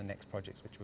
untuk proyek berikutnya